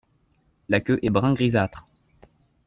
La queue est brun grisâtre.